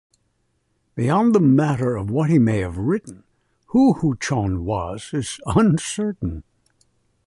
Beyond the matter of what he may have written, who Huchoun was is uncertain.